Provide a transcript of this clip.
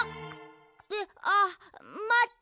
えっあっまって。